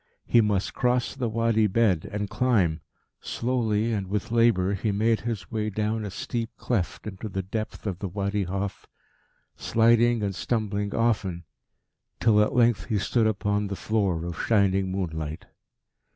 He must cross the Wadi bed and climb. Slowly and with labour he made his way down a steep cleft into the depth of the Wadi Hof, sliding and stumbling often, till at length he stood upon the floor of shining moonlight.